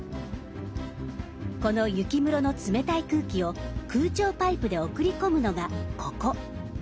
この雪室の冷たい空気を空調パイプで送り込むのがここ。